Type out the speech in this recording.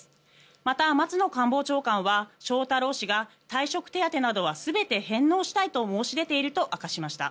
また松野官房長官は翔太郎氏が退職手当などは全て返納したいと申し出ていると明かしました。